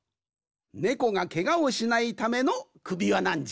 ネコがけがをしないためのくびわなんじゃ。